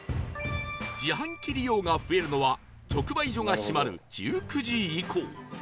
自販機利用が増えるのは特売所が閉まる１９時以降